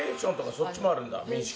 そっちもあるんだ。